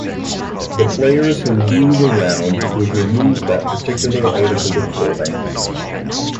The players who lose a round would remove that particular article of clothing.